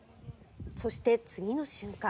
そして、次の瞬間。